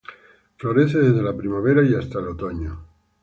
Florece desde la primavera y hasta el otoño.